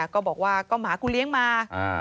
ก็บอกว่าก็หมากูเลี้ยงมา